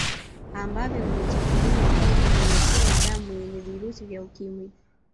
Ambavyo vimechafuliwa au vimewekewa damu yenye virusi vya Ukimwi